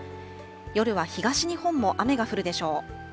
夜は東日本も雨が降るでしょう。